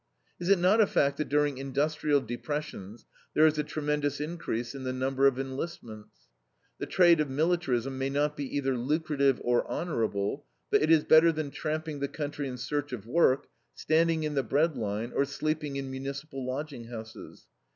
Is it not a fact that during industrial depressions there is a tremendous increase in the number of enlistments? The trade of militarism may not be either lucrative or honorable, but it is better than tramping the country in search of work, standing in the bread line, or sleeping in municipal lodging houses.